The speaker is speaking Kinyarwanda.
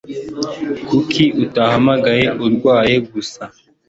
Kuki utahamagaye urwaye gusa?